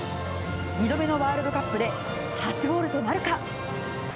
２度目のワールドカップで初ゴールとなるか。